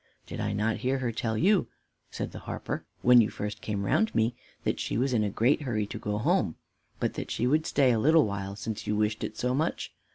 "Did not I hear her tell you," said the harper, "when you first came round me, that she was in a great hurry to go home, but that she would stay a little while, since you wished it so much?